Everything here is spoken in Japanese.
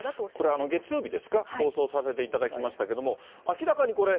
これ、月曜日ですか、放送させていただきましたけれども、明らかにこれ、